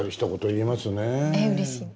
えうれしい。